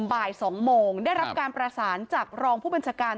บ่าย๒โมงได้รับการประสานจากรองผู้บัญชาการ